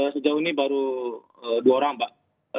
sejauh ini baru dua orang pak